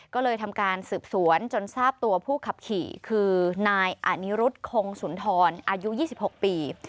ก็เลยทำการสืบสวนจนทราบตัวผู้ขับขี่คือนายอานิรุธคงสุนทรอายุ๒๖ปี